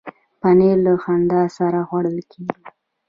پنېر له خندا سره خوړل کېږي.